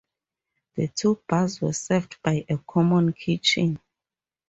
The two bars were served by a common kitchen.